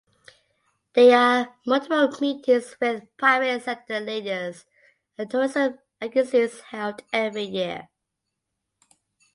There are multiple meetings with private sector leaders and tourism agencies held every year